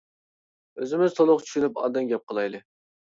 ئۆزىمىز تولۇق چۈشىنىپ ئاندىن گەپ قىلايلى.